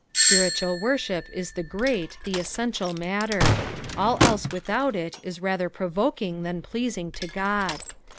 Bpiritnal worship is the great, the essential matter ; all else without it is rather provok ing than pleasing to Ood.